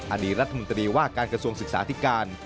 อดีตรัฐมนตรีว่าการกระทรวงศึกษาธิการ